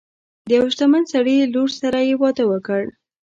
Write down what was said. د یو شتمن سړي لور سره یې واده وکړ.